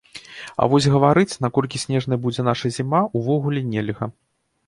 А вось гаварыць, наколькі снежнай будзе наша зіма, увогуле нельга.